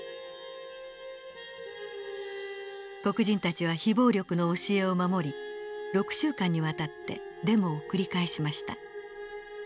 黒人たちは非暴力の教えを守り６週間にわたってデモを繰り返しました。